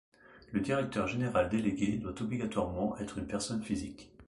Le directeur général délégué doit obligatoirement être une personne physique.